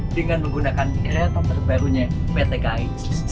dengan menggunakan kereta terbarunya pt kai